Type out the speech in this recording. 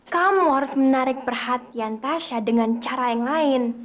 kamu harus menarik perhatian tasha dengan cara yang lain